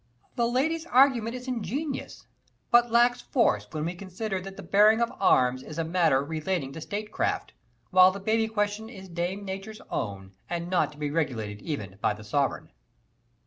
"The lady's argument is ingenious, but lacks force when we consider that the bearing of arms is a matter relating to statecraft, while the baby question is Dame Nature's own, and is not to be regulated even by the sovereign."